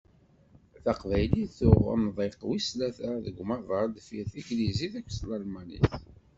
Taqbaylit, tuɣ amḍiq wis tlata deg umaḍal deffir n teglizit akked telmanit.